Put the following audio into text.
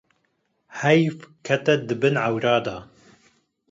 Heyv kete dibin ewre de.